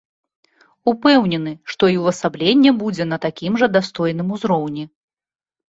Упэўнены, што і ўвасабленне будзе на такім жа дастойным узроўні.